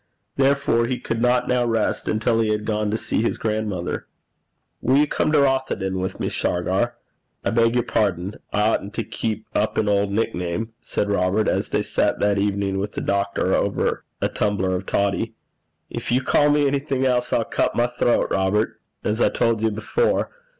Therefore he could not now rest until he had gone to see his grandmother. 'Will you come to Rothieden with me, Shargar? I beg your pardon I oughtn't to keep up an old nickname,' said Robert, as they sat that evening with the doctor, over a tumbler of toddy. 'If you call me anything else, I'll cut my throat, Robert, as I told you before.